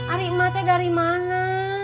arikmatnya dari mana